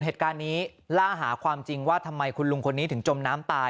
เหตุการณ์นี้ล่าหาความจริงว่าทำไมคุณลุงคนนี้ถึงจมน้ำตาย